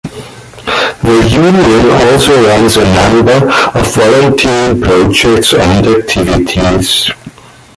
The Union also runs a number of volunteering projects and activities.